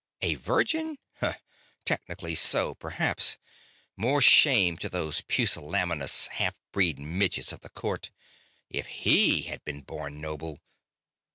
A virgin? Huh! Technically so, perhaps ... more shame to those pusillanimous half breed midgets of the court ... if he had been born noble....